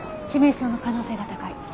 致命傷の可能性が高い。